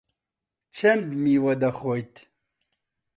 چەند میوە دەخۆیت؟